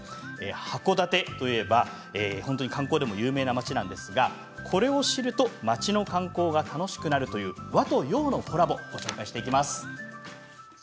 函館といえば観光でも有名な町なんですがこれを知ると町の観光が楽しくなるという和と洋のコラボをご紹介していきます。